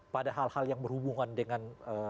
pada hal hal yang berhubungan dengan